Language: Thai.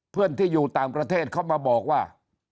เพื่อนที่อยู่ต่างประเทศเขามาบอกว่า